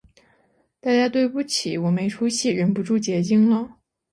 大家对不起，我没出息，忍不住结晶了